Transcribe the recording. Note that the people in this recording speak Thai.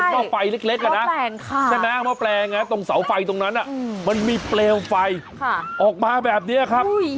ห้อไฟเล็กอ่ะนะใช่ไหมหม้อแปลงตรงเสาไฟตรงนั้นมันมีเปลวไฟออกมาแบบนี้ครับ